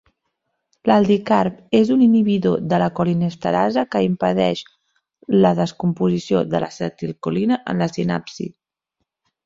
L'aldicarb és un inhibidor de la colinesterasa que impedeix la descomposició de l'acetilcolina en la sinapsi.